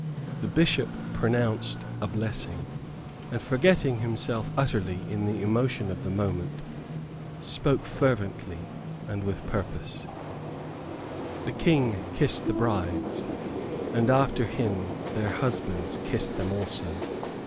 The Bishop pronounced a blessing; and forgetting himself utterly in the emotion of the moment, spoke fervently and with purpose. The King kissed the brides, and after him their husbands kissed them also.